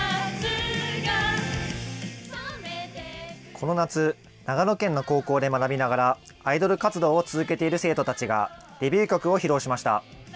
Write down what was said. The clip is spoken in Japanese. この夏、長野県の高校で学びながらアイドル活動を続けている生徒たちがデビュー曲を披露しました。